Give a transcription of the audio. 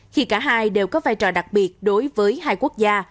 hai đều có vai trò đặc biệt đối với hai quốc gia